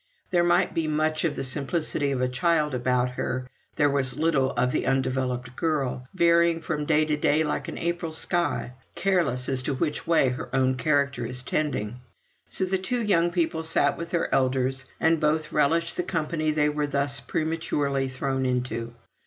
There might be much of the simplicity of a child about her, there was little of the undeveloped girl, varying from day to day like an April sky, careless as to which way her own character is tending. So the two young people sat with their elders, and both relished the company they were thus prematurely thrown into.